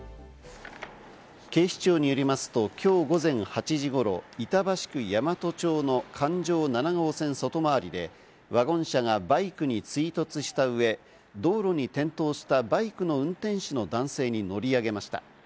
警視庁によりますと、今日午前８時頃、板橋区大和町の環状七号線外回りでワゴン車がバイクに追突したうえ、道路に転倒したバイクの運転手の男性に乗り上げました。